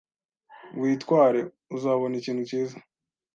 Witware, uzabona ikintu cyiza.